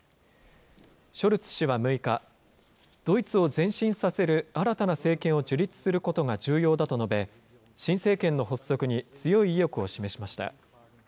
ショルツ氏は６日、ドイツを前進させる新たな政権を樹立することが重要だと述べ、新政権の発足に強い意欲を示しました。